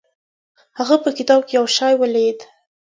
هغه په کتاب کې یو شی ولید.